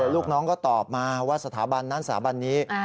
ลูกน้องก็ตอบมาว่าสถาบันนั้นสถาบันนี้